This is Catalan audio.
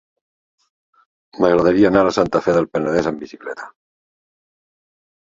M'agradaria anar a Santa Fe del Penedès amb bicicleta.